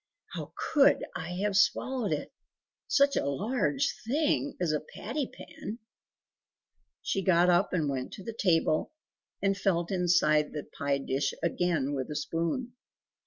"How COULD I have swallowed it! such a large thing as a patty pan!" She got up and went to the table, and felt inside the pie dish again with a spoon.